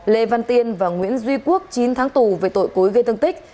lê văn tiên và nguyễn duy quốc chín tháng tù về tội cố ý gây thương tích